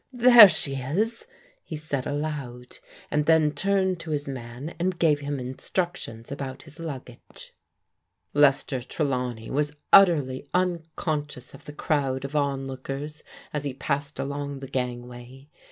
" There she is," he said aloud, and then turned to his man and gave him instructions about his luggage. Lester Trelawney was utterly unconscious of the crowd of onlookers as he passed along the gangway.